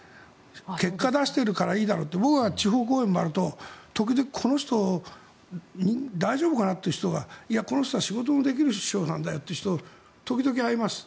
結果を出しているからいいだろって僕が地方講演で回ると時々、この人大丈夫かな？という人がこの人は仕事ができる市長さんだよって人時々、会います。